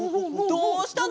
どうしたの！？